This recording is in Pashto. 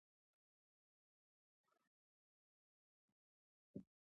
که تاسي ابروزي ته ولاړ شئ زه به ډېر خوشاله شم.